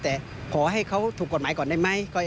แต่ขอให้เขาถูกกฎหมายก่อนได้ไหม